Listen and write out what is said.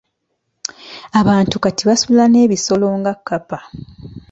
Abantu kati basula n'ebisolo nga kkapa.